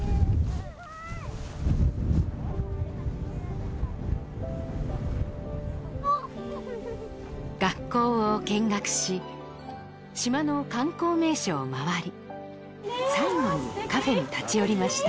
すごーい学校を見学し島の観光名所をまわり最後にカフェに立ち寄りました